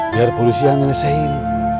biar polisi yang ngeresain